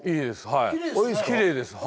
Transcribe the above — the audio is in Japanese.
はい。